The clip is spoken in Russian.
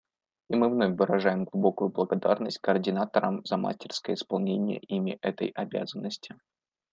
И мы вновь выражаем глубокую благодарность координаторам за мастерское исполнение ими этой обязанности.